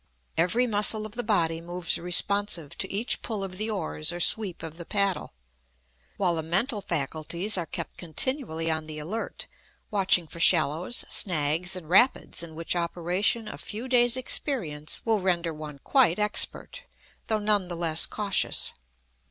Every muscle of the body moves responsive to each pull of the oars or sweep of the paddle; while the mental faculties are kept continually on the alert, watching for shallows, snags, and rapids, in which operation a few days' experience will render one quite expert, though none the less cautious.